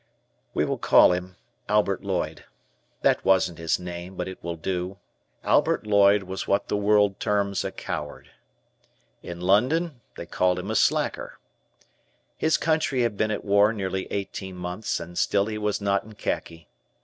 We will call him Albert Lloyd. That wasn't his name, but it will do; Albert Lloyd was what the world terms a coward. In London they called him a slacker. His country had been at war nearly eighteen months, and still he was not in khaki.